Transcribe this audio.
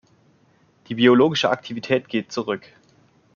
Die biologische Aktivität geht zurück.